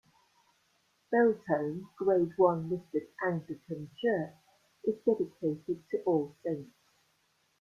Belton Grade One listed Anglican church is dedicated to All Saints.